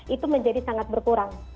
itu menjadi sangat berkurang